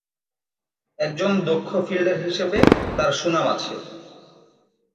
একজন দক্ষ ফিল্ডার হিসেবে তার সুনাম আছে।